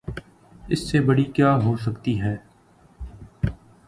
اس سے بڑی کیا ہو سکتی ہے؟